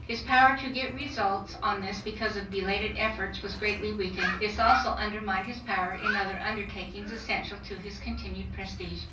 His power to get results on this because of belated efforts was greatly weakened. This also undermined his power in other undertakings essential to his continued prestige.